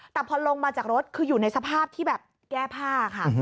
แต่พอลงมาจากรถคืออยู่ในสภาพที่แบบแก้ผ้าค่ะ